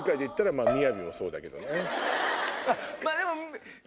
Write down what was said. まぁでも。